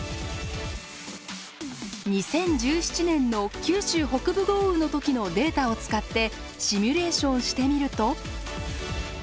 ２０１７年の九州北部豪雨の時のデータを使ってシミュレーションしてみると。